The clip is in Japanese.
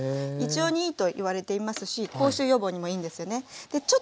胃腸にいいといわれていますし口臭予防にもいいんですよね。